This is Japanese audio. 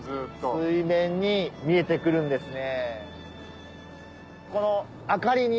水面に見えて来るんですね。